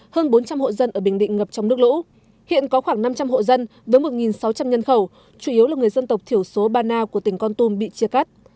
hơn bốn trăm linh hộ dân ở bình định ngập trong nước lũ hiện có khoảng năm trăm linh hộ dân với một sáu trăm linh nhân khẩu chủ yếu là người dân tộc thiểu số ba na của tỉnh con tum bị chia cắt